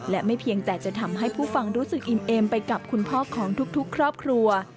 และไม่เพียงแต่จะทำให้ผู้ฟังรู้สึกอิ่มเอมไปกับคุณพ่อของทุกครอบครัว